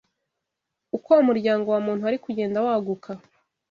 uko umuryango wa muntu wari kugenda waguka